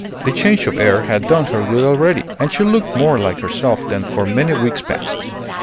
The change of air had done her good already, and she looked more like herself than for many weeks past.